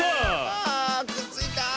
あくっついた！